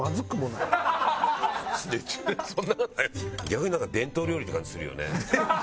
逆になんか伝統料理って感じするよね。